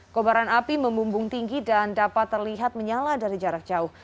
kobaran api membumbung tinggi dan dapat terlihat menyala dari jarak jauh